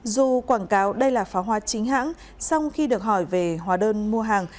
dù quảng cáo đây là pháo hoa chính hãng sau khi được hỏi về hóa đơn mua hàng